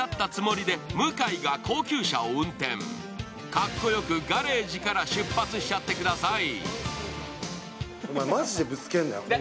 かっこよくガレージから出発しちゃってください。